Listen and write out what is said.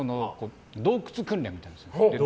洞窟訓練みたいなのをするんです。